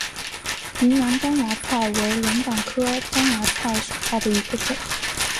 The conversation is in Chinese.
云南獐牙菜为龙胆科獐牙菜属下的一个种。